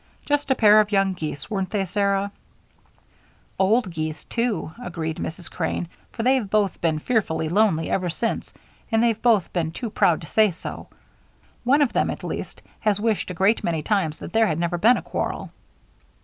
Just a pair of young geese, weren't they, Sarah?" "Old geese, too," agreed Mrs. Crane, "for they've both been fearfully lonely ever since and they've both been too proud to say so. One of them, at least, has wished a great many times that there had never been any quarrel."